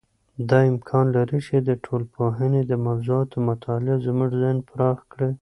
دا امکان لري چې د ټولنپوهنې د موضوعاتو مطالعه زموږ ذهن پراخ کړي.